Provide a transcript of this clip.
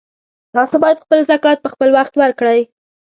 تاسو باید خپل زکات په خپلوخت ورکړئ